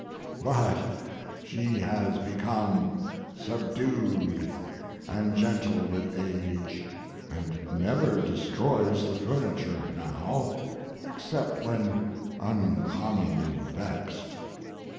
But she has become subdued and gentle with age and never destroys the furniture now, except when uncommonly vexed.